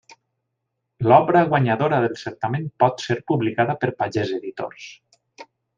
L'obra guanyadora del certamen pot ser publicada per Pagès Editors.